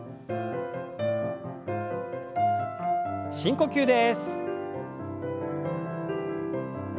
深呼吸です。